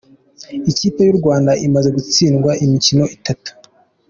Ikipe y’u Rwanda imaze gutsindwa imikino itatu